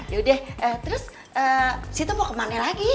yaudah terus situ mau ke mana lagi